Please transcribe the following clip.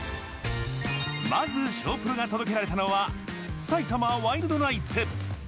まずＳＨＯＷ‐Ｐｒｏが届けられたのは埼玉ワイルドナイツ。